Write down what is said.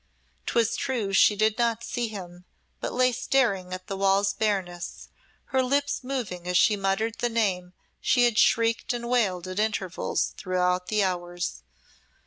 'Twas true she did not see him, but lay staring at the wall's bareness, her lips moving as she muttered the name she had shrieked and wailed at intervals throughout the hours.